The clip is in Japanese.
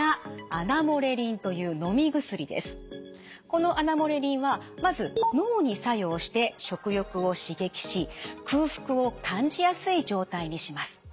このアナモレリンはまず脳に作用して食欲を刺激し空腹を感じやすい状態にします。